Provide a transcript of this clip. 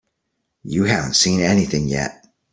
You haven't seen anything yet.